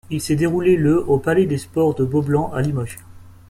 Il s’est déroulé le au Palais des sports de Beaublanc à Limoges.